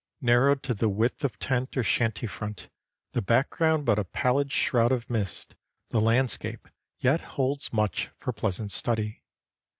Narrowed to the width of tent or shanty front, the background but a pallid shroud of mist, the landscape yet holds much for pleasant study.